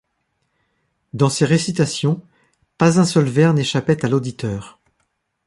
Dans ses récitations, pas un seul vers n’échappait à l’auditeur.